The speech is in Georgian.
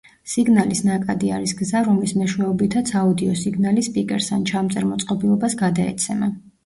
სიგნალის ნაკადი არის გზა რომლის მეშვეობითაც აუდიო სიგნალი სპიკერს ან ჩამწერ მოწყობილობას გადაეცემა.